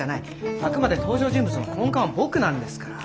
あくまで登場人物の根幹は僕なんですから。